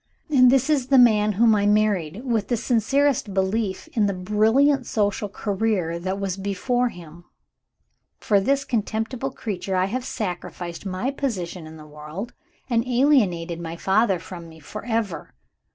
"And this is the man whom I married with the sincerest belief in the brilliant social career that was before him! For this contemptible creature I have sacrificed my position in the world, and alienated my father from me for ever.